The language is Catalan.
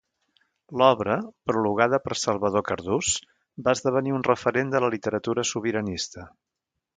L’obra, prologada per Salvador Cardús, va esdevenir un referent de la literatura sobiranista.